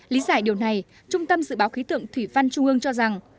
lý giải điều này trung tâm dự báo khí tượng thủy văn trung ương cho rằng